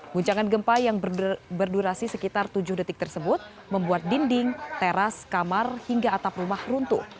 guncangan gempa yang berdurasi sekitar tujuh detik tersebut membuat dinding teras kamar hingga atap rumah runtuh